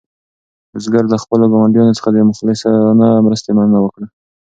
بزګر له خپلو ګاونډیانو څخه د مخلصانه مرستې مننه وکړه.